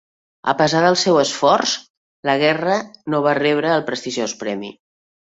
A pesar del seu esforç, Laguerre no va rebre el prestigiós premi.